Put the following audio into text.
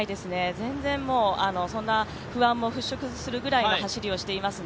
全然もうそんな不安も払拭するくらいの走りをしていますね。